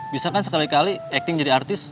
bisa kan sekali kali acting jadi artis